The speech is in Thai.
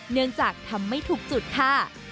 เนื่องจากทำไม่ถูกจุดค่ะ